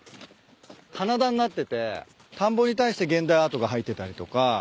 棚田になってて田んぼに対して現代アートが入ってたりとか。